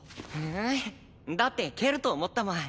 ん？だって蹴ると思ったもん。